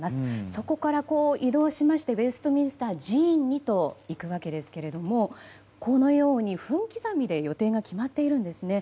そこから移動しましてウェストミンスター寺院にと行くわけですけれどもこのように分刻みで予定が決まっているんです。